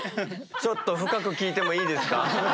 ちょっと深く聞いてもいいですか？